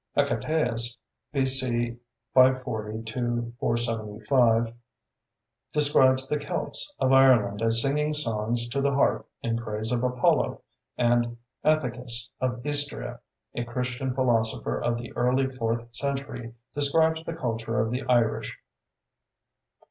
Hecataeus (B.C. 540 475) describes the Celts of Ireland as singing songs to the harp in praise of Apollo, and Aethicus of Istria, a Christian philosopher of the early fourth century, describes the culture of the Irish.